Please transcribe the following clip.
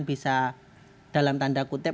bisa dalam tanda kutip